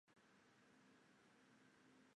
他在科学哲学领域颇具影响力。